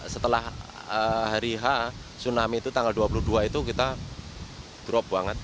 setelah hari h tsunami itu tanggal dua puluh dua itu kita drop banget